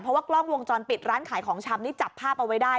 เพราะว่ากล้องวงจรปิดร้านขายของชำนี่จับภาพเอาไว้ได้